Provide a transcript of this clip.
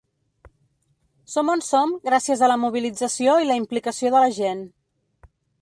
Som on som gràcies a la mobilització i la implicació de la gent.